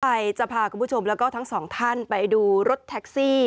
ใครจะพาคุณผู้ชมแล้วก็ทั้งสองท่านไปดูรถแท็กซี่